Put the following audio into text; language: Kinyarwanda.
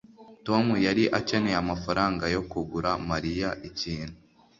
tom yari akeneye amafaranga yo kugura mariya ikintu